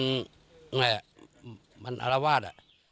อยู่๕คนแต่ตอนที่มันอารวาส